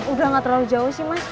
udah gak terlalu jauh sih mas